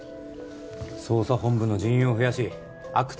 捜査本部の人員を増やし阿久津